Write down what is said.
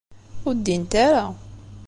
Ur ddint ara.